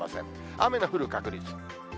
雨の降る確率。